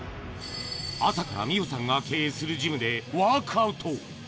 朝から美保さんが経営するジムでワークアウト。